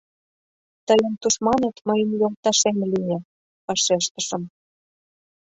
«Тыйын тушманет мыйын йолташем лие», — вашештышым.